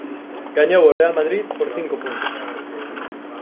Gañou o Real Madrid por cinco puntos.